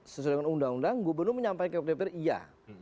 sesuai dengan undang undang gubernur menyampaikan ke dpr iya